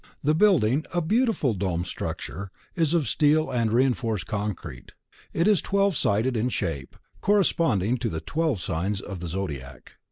The building, a beautiful domed structure, is of steel and reinforced concrete. It is twelve sided in shape, corresponding to the twelve signs of the zodiac.